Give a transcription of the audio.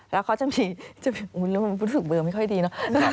แล้วเขาจะมีแล้วมันรู้สึกเบอร์ไม่ค่อยดีเนอะ